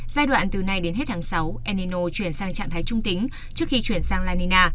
giai đoạn từ nay đến hết tháng sáu enino chuyển sang trạng thái trung tính trước khi chuyển sang la nina